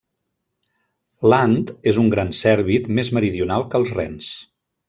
L'ant és un gran cèrvid més meridional que els rens.